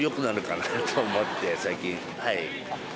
最近はい。